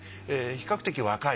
比較的若い。